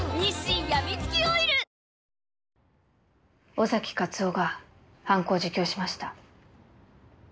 尾崎克夫が犯行を自供しました。